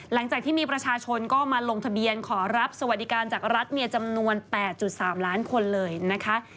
หลังจากที่มีประชาชนก็มาลงทะเบียนขอรับสวัสดิการจากรัฐเมียจำนวน๘๓ล้านคนเลยนะคะ